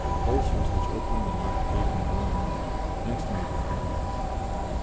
Ulcers, which opened and left gaping wounds, next made their appearance.